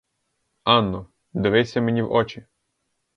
Анно, дивися мені в очі!